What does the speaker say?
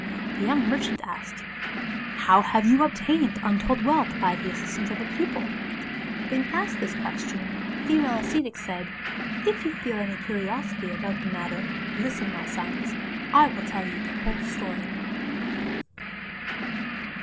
The young merchants asked, " How have you obtained untold wealth by the assistance of a pupil ?" Being asked this question, the female ascetic said, " If you feel any curiosity about the matter, listen, my sons, I will tell you the whole story.